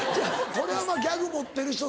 これはギャグ持ってる人とか。